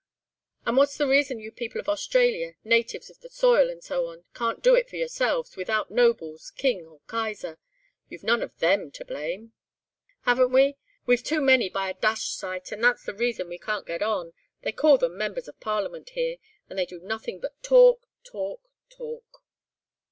"And what's the reason you people of Australia, natives of the soil, and so on, can't do it for yourselves, without nobles, King or Kaiser—you've none of them to blame?" "Haven't we? We've too many by a dashed sight, and that's the reason we can't get on. They call them Members of Parliament here, and they do nothing but talk, talk, talk."